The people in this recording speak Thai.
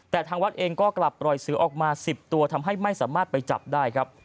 แต่ทางวัดเองก็กลับปล่อยเสือออกมา๑๐ตัวทำให้ไม่สามารถไปจับได้ครับ